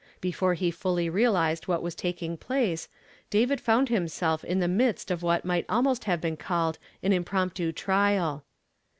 Before he fully realized what was taking place, David found himself in the midst of what might almost have been called an impromptu tiial.